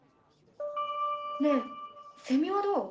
ねえセミはどう？